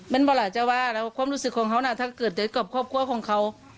มันบอกล่ะจะว่าแล้วความรู้สึกของเขานะถ้าเกิดเจอกับครอบครัวของเขา